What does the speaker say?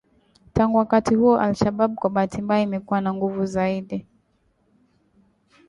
Tangu wakati huo al-Shabab kwa bahati mbaya imekuwa na nguvu zaidi.